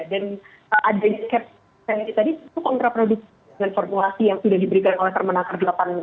dan advance cap tadi itu kontraproduksi dengan formulasi yang sudah diberikan oleh termenakar delapan belas dua ribu dua puluh dua